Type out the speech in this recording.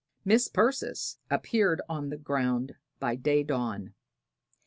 Mis' Persis appeared on the ground by day dawn.